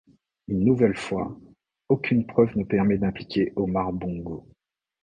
Une nouvelle fois, aucune preuve ne permet d'impliquer Omar Bongo.